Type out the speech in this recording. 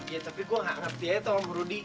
ya tapi gue gak ngerti aja tuh sama rudy